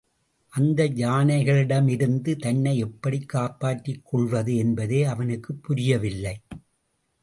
அந்த யானைகளிடமிருந்து தன்னை எப்படிக் காப்பாற்றிக் கொள்வது என்பதே அவனுக்குப் புரியவில்லை.